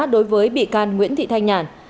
đối với bị can nguyễn thị thanh nhàn